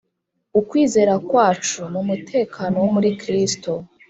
Ukwizera kwacu mu mutekano wo muri Kristo